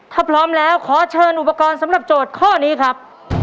ถ้าพร้อมแล้วขอเชิญอุปกรณ์สำหรับโจทย์ข้อนี้ครับ